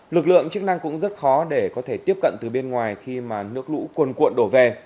lực lượng chức năng cũng rất khó để có thể tiếp cận từ bên ngoài khi mà nước lũ cuồn cuộn đổ về